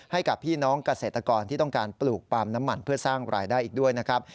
ให้กับพี่น้องเกษตรกรที่ต้องการปลูกปาล์มน้ำมันเพื่อสร้างรายได้อีกด้วยนะครับ